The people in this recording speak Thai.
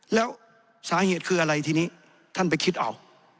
แล้วสาเหตุคืออะไรทีนี้ท่านไปคิดเอา